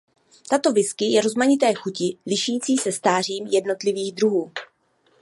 Tato whisky je rozmanité chuti lišící se stářím jednotlivých druhů.